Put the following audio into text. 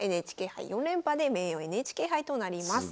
ＮＨＫ杯４連覇で名誉ＮＨＫ杯となります。